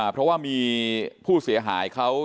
เพราะว่ามีผู้เสียหายเขา